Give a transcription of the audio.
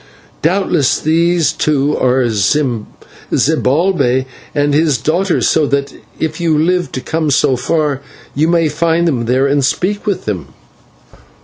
Doubtless these two are Zibalbay and his daughter, so that if you live to come so far, you may find them there and speak with them."